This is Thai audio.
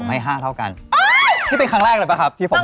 แต่นี่ถ้าเกิดระบุสัญชาตินะ